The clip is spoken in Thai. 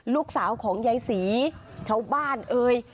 ลูกสาวของยายศรีชาวบ้านเอ่ย